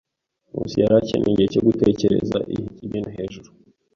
Nkusi yari akeneye igihe cyo gutekereza ibintu hejuru.